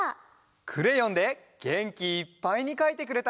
クレヨンでげんきいっぱいにかいてくれたね。